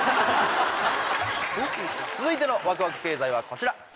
続いてのワクワク経済はこちら。